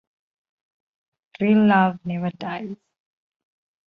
Real love never dies.